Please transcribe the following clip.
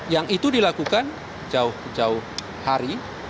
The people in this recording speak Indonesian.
yang itu dilakukan jauh jauh hari